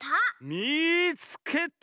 「みいつけた！」。